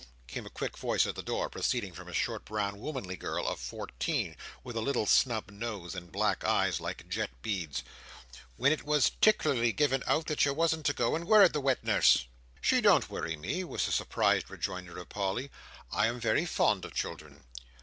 cried a quick voice at the door, proceeding from a short, brown, womanly girl of fourteen, with a little snub nose, and black eyes like jet beads. "When it was "tickerlerly given out that you wasn't to go and worrit the wet nurse." "She don't worry me," was the surprised rejoinder of Polly. "I am very fond of children."